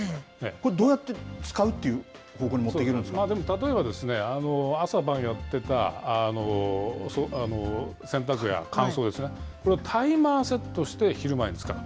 これ、どうやって使うっていう方例えばですね、朝晩やってた洗濯や乾燥ですね、これ、タイマーセットして昼間に使う。